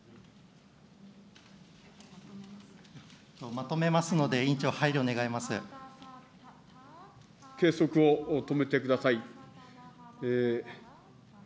まとめますので、計測を止めてください。